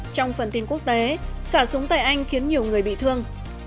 trong phần tin quốc tế xả súng tại anh khiến nhiều người bị thương